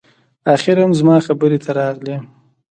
اخیر هم زما خبرې ته راغلې